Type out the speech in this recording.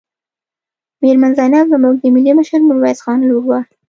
میرمن زینب زموږ د ملي مشر میرویس خان لور وه.